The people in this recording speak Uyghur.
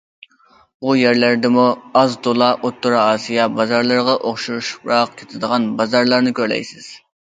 بۇ يەرلەردىمۇ ئاز- تولا ئوتتۇرا ئاسىيا بازارلىرىغا ئوخشىشىپراق كېتىدىغان بازارلارنى كۆرەلەيسىز.